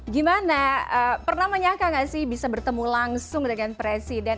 gimana pernah menyangka gak sih bisa bertemu langsung dengan presiden